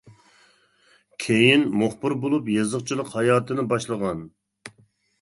كېيىن مۇخبىر بولۇپ يېزىقچىلىق ھاياتىنى باشلىغان.